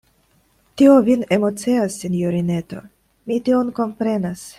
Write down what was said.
Tio vin emocias, sinjorineto: mi tion komprenas.